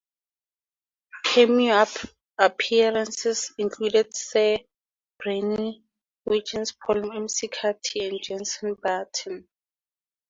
Cameo appearances included Sir Bradley Wiggins, Paul McCartney and Jenson Button.